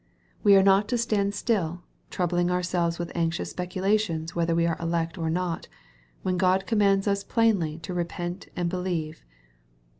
We are not to stand still, troubling ourselves with anxious speculations whether we are elect or not, when God commands us plainly to repent and believe.